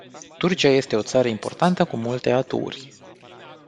Turcia este o țară importantă cu multe atuuri.